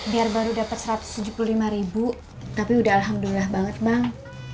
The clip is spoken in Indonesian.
biar baru dapet rp satu ratus tujuh puluh lima tapi udah alhamdulillah banget bang